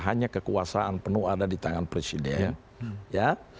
hanya kekuasaan penuh ada di tangan presiden ya